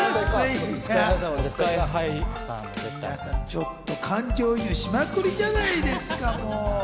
皆さんちょっと感情移入しまくりじゃないですか。